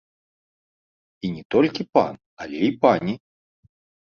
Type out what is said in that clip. І не толькі пан, але і пані.